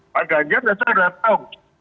pak ganjar dan saya sudah tahu